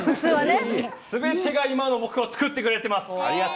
すべてが今の僕を作ってくれています。